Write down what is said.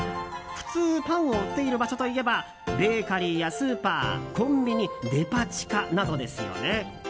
普通パンを売っている場所といえばベーカリーやスーパー、コンビニデパ地下などですよね。